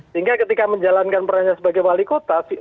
sehingga ketika menjalankan perannya sebagai wali kota